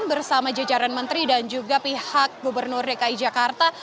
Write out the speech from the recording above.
bersama jajaran menteri dan juga pihak gubernur dki jakarta